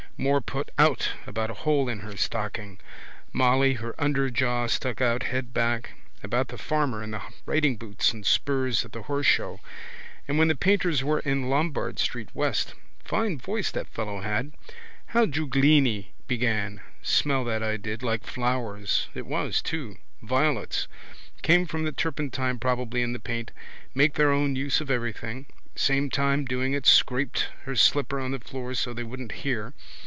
More put out about a hole in her stocking. Molly, her underjaw stuck out, head back, about the farmer in the ridingboots and spurs at the horse show. And when the painters were in Lombard street west. Fine voice that fellow had. How Giuglini began. Smell that I did. Like flowers. It was too. Violets. Came from the turpentine probably in the paint. Make their own use of everything. Same time doing it scraped her slipper on the floor so they wouldn't hear.